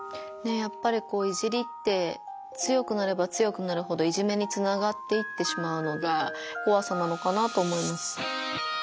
やっぱり「いじり」って強くなれば強くなるほどいじめにつながっていってしまうのがこわさなのかなと思います。